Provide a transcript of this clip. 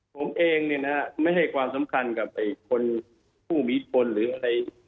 ผมเองเนี่ยนะไม่ให้ความสำคัญกับคนผู้มีอิทธิพลหรืออะไร